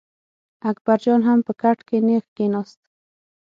اکبر جان هم په کټ کې نېغ کېناست.